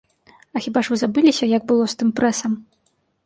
А хіба ж вы забыліся, як было з тым прэсам?